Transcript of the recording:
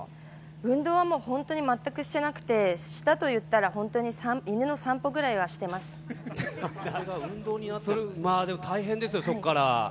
運動は、本当に全くしてなくて、したといったら、本当に犬のでも大変ですよ、そこから。